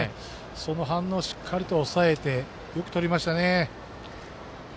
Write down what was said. その反動をしっかりと抑えてよくとりましたね。